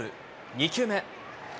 ２球目。